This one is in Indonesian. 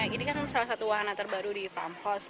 ini kan salah satu wahana terbaru di farmhouse